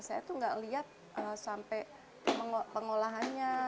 saya tuh gak lihat sampai pengolahannya